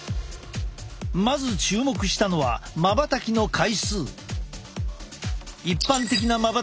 まず注目したのはまばたきの回数。